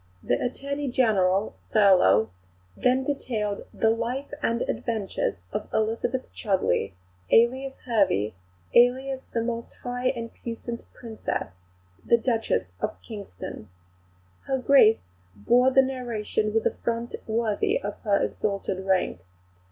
The Attorney General, Thurlow, then detailed the 'Life and Adventures of Elizabeth Chudleigh, alias Hervey, alias the most high and puissante Princess, the Duchess of Kingston.' Her Grace bore the narration with a front worthy of her exalted rank.